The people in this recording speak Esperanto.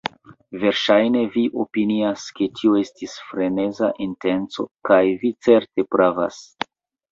Verŝajne vi opinias, ke tio estis freneza intenco, kaj vi certe pravas.